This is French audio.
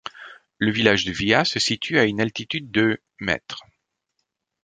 Le village de Via se situe à une altitude de mètres.